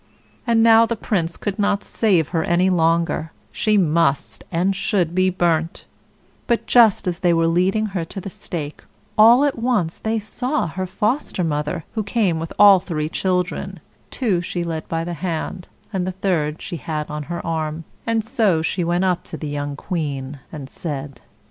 And now the Prince could not save her any longer. She must and should be burnt. But just as they were leading her to the stake, all at once they saw her Foster mother, who came with all three children two she led by the hand, and the third she had on her arm; and so she went up to the young queen and said: [Illustration: "Here are your children; now you shall have them again.